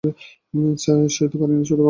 সইতে পারি না ছোটবাবু।